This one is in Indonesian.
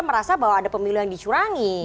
merasa bahwa ada pemilu yang dicurangi